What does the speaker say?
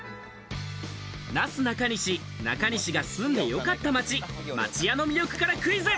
なすなかにし・中西が住んで良かった街、町屋の魅力からクイズ。